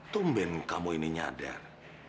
tumben kamu ini nyadar